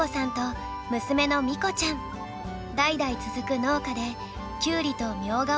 代々続く農家でキュウリとみょうがを育てています。